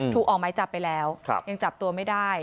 ถูกออกไม้จับไปแล้วยังจับตัวไม่ได้